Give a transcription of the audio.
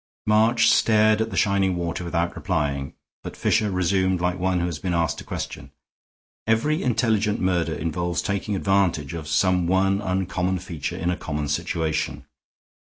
March stared at the shining water without replying, but Fisher resumed like one who had been asked a question: "Every intelligent murder involves taking advantage of some one uncommon feature in a common situation.